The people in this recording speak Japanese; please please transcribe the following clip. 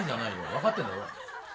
分かってんだろ？